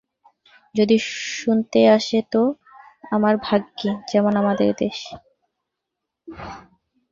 যদি শুনতে আসে তো তোমার ভাগ্যি, যেমন আমাদের দেশে।